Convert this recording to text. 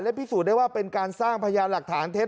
พิสูจน์ได้ว่าเป็นการสร้างพยานหลักฐานเท็จ